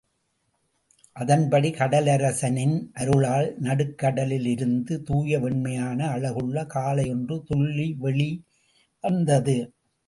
அதன்படி கடலரசனின் அருளால், நடுக்கடலிலிருந்து துாய வெண்மையான அழகுள்ள காளை ஒன்று துள்ளி வெளி வந்தது.